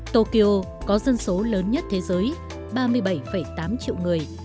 tokyo có dân số lớn nhất thế giới